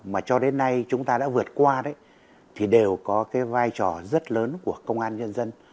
mà cho đến nay chúng ta đã vượt qua đấy thì đều có cái vai trò rất lớn của công an nhân dân